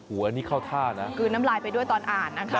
หัวนี่เข้าท่านะกลืนน้ำลายไปด้วยตอนอ่านนะคะ